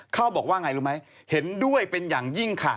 เขาบอกว่าไงรู้ไหมเห็นด้วยเป็นอย่างยิ่งค่ะ